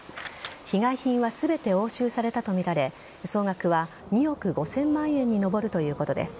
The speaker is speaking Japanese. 被害品は全て押収されたとみられ総額は２億５０００万円に上るということです。